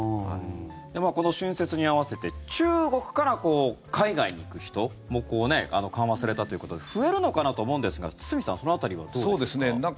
この春節に合わせて中国から海外に行く人も緩和されたということで増えるのかなと思うんですが堤さん、その辺りはどうですか？